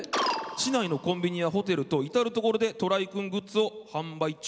市内のコンビニやホテル等至る所でトライくんグッズを販売中。